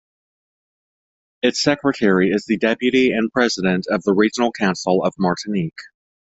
Its secretary is the deputy and president of the Regional Council of Martinique.